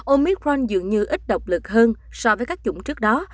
omicron dường như ít độc lực hơn so với các chủng trước đó